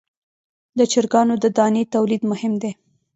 د چرګانو د دانې تولید مهم دی